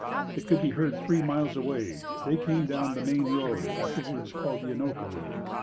It could be heard three miles away. They came down the Main Road, afterwards called the Anoka road.